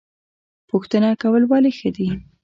پوښتنه کول ولې ښه دي؟